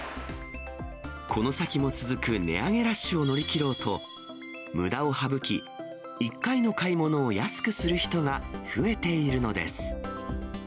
この先も続く値上げラッシュを乗り切ろうと、むだを省き、１回の買い物を安くする人が増えているのです。